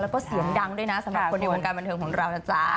แล้วก็เสียงดังด้วยนะสำหรับคนในวงการบันเทิงของเรานะจ๊ะ